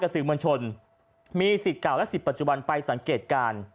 สื่อมวลชนมีสิทธิ์เก่าและสิทธิปัจจุบันไปสังเกตการณ์